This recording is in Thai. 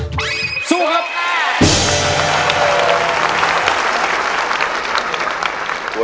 เพลงที่๒นะครับ